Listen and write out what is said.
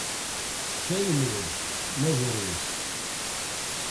Tanemmirt, ma drus.